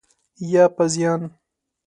یا په زیان؟